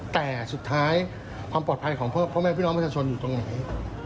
แต่สุดท้ายความปลอดภัยของพ่อแม่พี่น้องประชาชนอยู่ตรงไหน